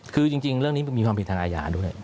คือจริงเรื่องนี้มีความผิดทางอาญาด้วย